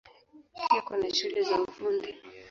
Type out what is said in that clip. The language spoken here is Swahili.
Pia kuna shule za Ufundi.